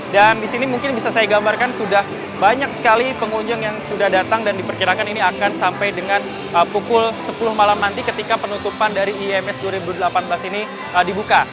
dan di sini mungkin bisa saya gambarkan sudah banyak sekali pengunjung yang sudah datang dan diperkirakan ini akan sampai dengan pukul sepuluh malam nanti ketika penutupan dari ims dua ribu delapan belas ini dibuka